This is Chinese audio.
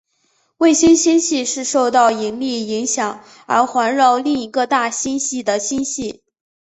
卫星星系是受到引力影响而环绕另一个大星系的星系。